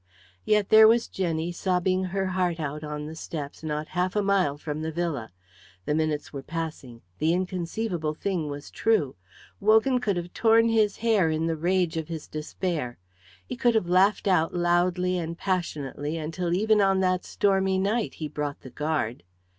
Yet there was Jenny sobbing her heart out on the steps not half a mile from the villa; the minutes were passing; the inconceivable thing was true. Wogan could have torn his hair in the rage of his despair. He could have laughed out loudly and passionately until even on that stormy night he brought the guard.